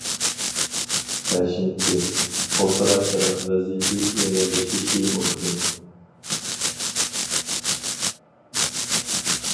بەشىنچى، ئوتتۇرا شەرق ۋەزىيىتى ئېغىرلىشىشى مۇمكىن.